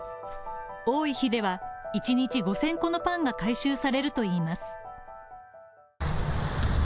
多い日では、一日５０００個のパンが回収されるといいます。